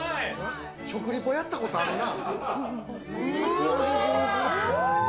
食リポやったことあるな。